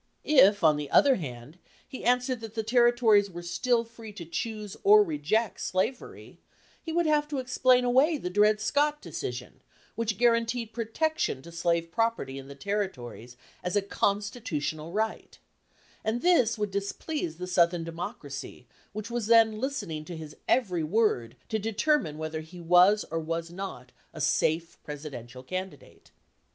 If, on the other hand, he answered that the Territories were still free to choose or reject slavery, he would have to explain away the Dred Scott decision, which guaranteed 276 LAW IN THE DEBATE protection to slave property in the Territories as a constitutional right; and this would displease the Southern Democracy which was then listen ing to his every word to determine whether he was or was not a safe Presidential candidate.